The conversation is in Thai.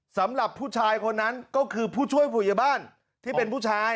สำหรับผู้ชายคนนั้นก็คือผู้ช่วยผู้ใหญ่บ้านที่เป็นผู้ชาย